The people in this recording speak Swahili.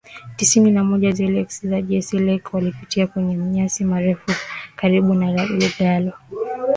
tisini na moja Zelewski na jeshi lake walipita kwenye manyasi marefu karibu na Lugalo